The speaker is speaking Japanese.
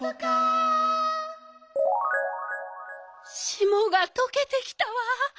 しもがとけてきたわ。